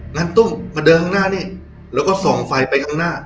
งั้นตุ้มมาเดินข้างหน้านี่แล้วก็ส่องไฟไปข้างหน้า